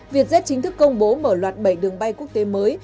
vietjet chính thức công bố mở loạt bảy đường bay quốc tế mới